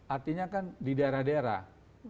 artinya kan di daerah daerah